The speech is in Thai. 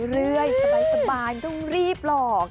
เรื่อยสบายต้องรีบหรอก